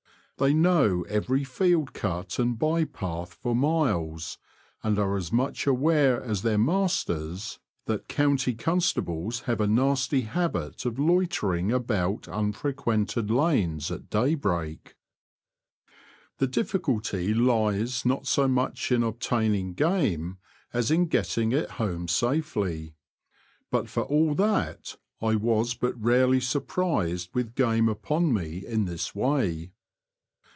They know The Confessions of a T^oacher. 6i every field cut and by path for miles, and are as much aware as their masters that county constables have a nasty habit of loitering about unfrequented lanes at daybreak. The difficulty lies not so much in obtaining game as in getting it home safely ; but for all that I was but rarely surprised with game upon me in this way.